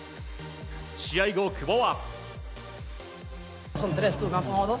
試合後、久保は。